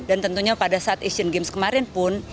dan tentunya pada saat asian games kemarin pun